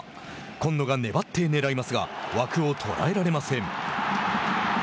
紺野が粘ってねらいますが枠を捉えられません。